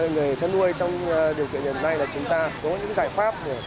người chăn nuôi trong điều kiện này là chúng ta có những giải pháp